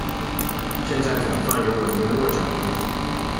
现在总算有稳定落脚的地方